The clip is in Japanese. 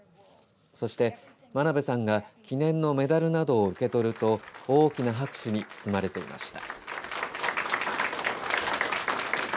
そして、真鍋さんが記念のメダルなどを受け取ると大きな拍手に包まれていました。